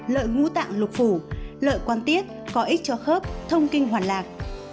lợi ngũ tạng lục phủ lợi quan tiết có ích cho khớp thông kinh hoàn lạc